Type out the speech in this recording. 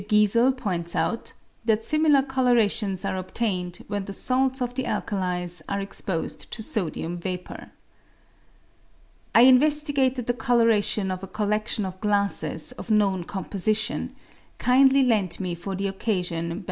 Giesel points out that similar colourations are obtained when the salts of the alkalis are exposed to sodium vapour. I investigated the colouration of a colledtion of glasses of known composition, kindly lent me for the occasion by M.